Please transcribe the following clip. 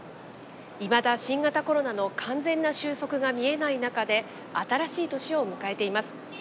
いまだ新型コロナの完全な収束が見えない中で新しい年を迎えています。